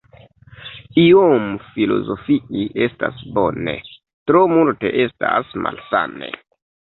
Iom filozofii estas bone, tro multe estas malsane.